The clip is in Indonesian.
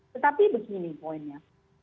tetapi begini poinnya